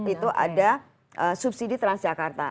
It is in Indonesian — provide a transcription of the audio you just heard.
itu ada subsidi transjakarta